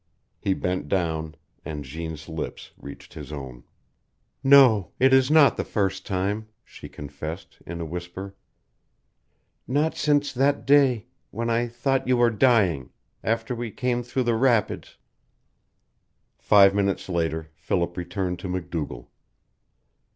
He bent down, and Jeanne's lips reached his own. "No, it is not the first time," she confessed, in a whisper. "Not since that day when I thought you were dying after we came through the rapids " Five minutes later Philip returned to MacDougall.